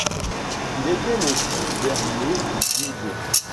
Il était le fils d'Ernaud du Puiset.